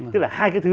tức là hai cái thứ